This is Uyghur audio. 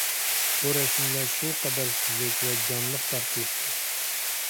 بۇ رەسىملەر شۇ قەدەر سۈزۈك ۋە جانلىق تارتىلىپتۇ.